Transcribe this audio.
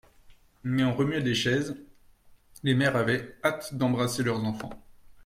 Mais on remuait des chaises ; les mères avaient hâte d'embrasser leurs enfants.